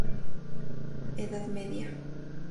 Edad media.